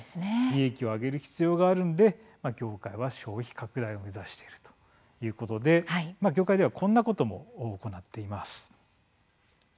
利益を上げる必要があるので業界は消費拡大を目指しているということで、業界ではこんなことも行っています。